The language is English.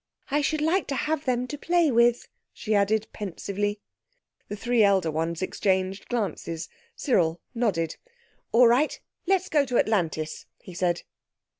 "I should like to have them to play with," she added pensively. The three elder ones exchanged glances. Cyril nodded. "All right. Let's go to Atlantis," he said.